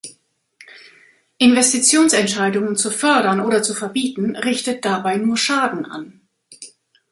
Investitionsentscheidungen zu fördern oder zu verbieten richtet dabei nur Schaden an.